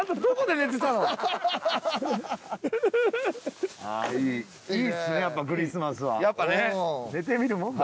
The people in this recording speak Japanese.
寝てみるもんだ。